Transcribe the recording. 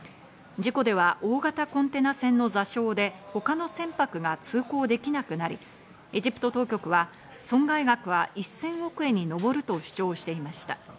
事故では大型コンテナ船の座礁で他の船舶が通行できなくなり、エジプト当局は損害額は１０００億円に上ると主張していました。